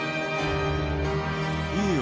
いいよ。